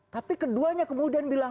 tapi keduanya kemudian bergabung